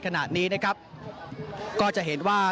ขณะนี้นะครับก็จะเห็นว่า